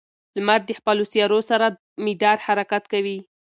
لمر د خپلو سیارو سره مدار حرکت کوي.